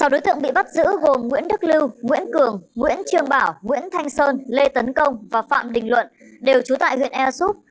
sáu đối tượng bị bắt giữ gồm nguyễn đức lưu nguyễn cường nguyễn trương bảo nguyễn thanh sơn lê tấn công và phạm đình luận đều trú tại huyện ea súp